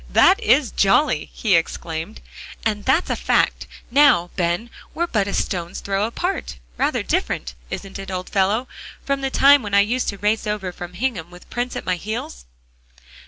"That is jolly," he exclaimed, "and that's a fact! Now, Ben, we're but a stone's throw apart. Rather different, isn't it, old fellow, from the time when I used to race over from Hingham with Prince at my heels?"